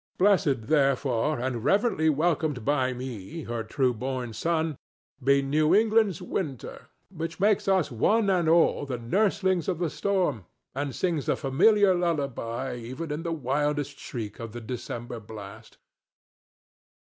Blessed, therefore, and reverently welcomed by me, her true born son, be New England's winter, which makes us one and all the nurslings of the storm and sings a familiar lullaby even in the wildest shriek of the December blast.